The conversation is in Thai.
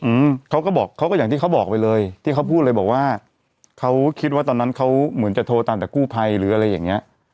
อืมเขาก็บอกเขาก็อย่างที่เขาบอกไปเลยที่เขาพูดเลยบอกว่าเขาคิดว่าตอนนั้นเขาเหมือนจะโทรตามแต่กู้ภัยหรืออะไรอย่างเงี้ย